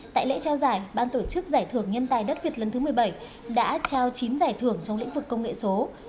tại lễ trao giải ban tổ chức giải thưởng nhân tài đất việt lần thứ một mươi bảy đã trao chín giải thưởng trong lĩnh vực công nghệ số